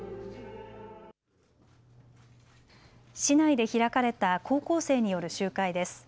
市内で開かれた高校生による集会です。